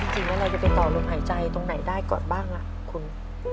จริงแล้วเราจะไปต่อลมหายใจตรงไหนได้ก่อนบ้างคุณ